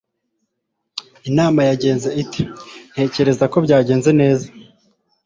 inama yagenze ite? ntekereza ko byagenze neza